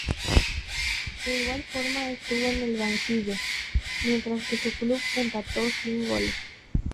De igual forma estuvo en el banquillo, mientras que su club empató sin goles.